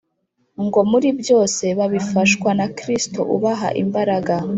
ngo muri byose babifashwa na kristo ubaha imbaraga